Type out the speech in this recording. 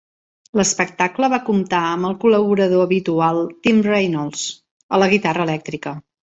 L'espectacle va comptar amb el col·laborador habitual Tim Reynolds a la guitarra elèctrica.